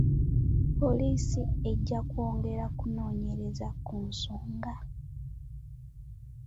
Poliisi ejja kwongera okunoonyereza ku nsonga.